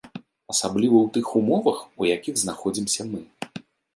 Асабліва ў тых умовах, у якіх знаходзімся мы.